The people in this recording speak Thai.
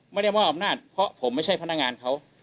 ไม่ได้มอบอำนาจเพราะผมไม่ใช่พนักงานเขา